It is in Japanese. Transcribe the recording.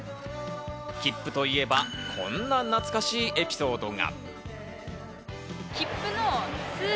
切符といえばこんな懐かしいエピソードが。